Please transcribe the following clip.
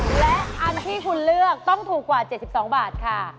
และอันที่คุณเลือกต้องถูกกว่า๗๒บาทค่ะ